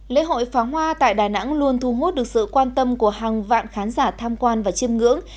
lễ hội pháo hoa tại đà nẵng luôn thu hút được sự quan tâm của hàng vạn khán giả tham quan và chiêm ngưỡng